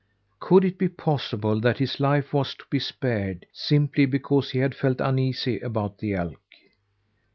Could it be possible that his life was to be spared simply because he had felt uneasy about the elk?